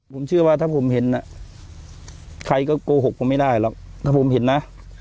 ผมเชื่อว่าถ้าผมเห็นน่ะใครก็โกหกผมไม่ได้หรอกถ้าผมเห็นนะ